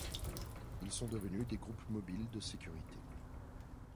Ils sont devenus des groupes mobiles de sécurité.